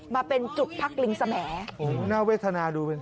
มาเป็นจุดพักลิงสมัยโอ้โหน่าเวทนาดูเป็น